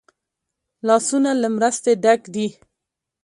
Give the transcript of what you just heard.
لاسونه له مرستې ډک دي